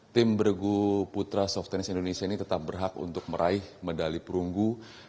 tim bergu putra soft tennis indonesia ini tetap berhak untuk meraih medali perunggu